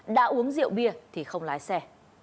đã uống rượu bia thì không lái xe